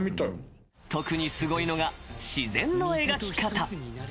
［特にすごいのが自然の描き方］